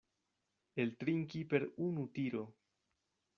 Eltrinki per unu tiro.